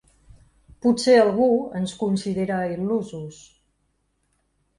Potser algú ens considera il·lusos.